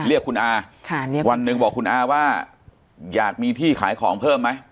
เรียกคุณอาค่ะวันหนึ่งบอกคุณอาว่าอยากมีที่ขายของเพิ่มไหม